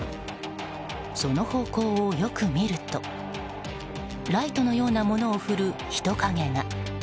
その方向をよく見るとライトのようなものを振る人影が。